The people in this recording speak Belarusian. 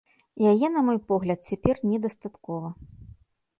Яе, на мой погляд, цяпер недастаткова.